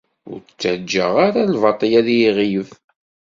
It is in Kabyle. Ur ttaǧǧa ara lbaṭel ad iyi-iɣleb.